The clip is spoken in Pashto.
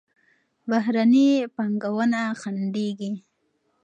بهرني پانګونه خنډېږي.